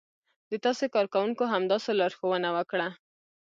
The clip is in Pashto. د تاسې کارکونکو همداسې لارښوونه وکړه.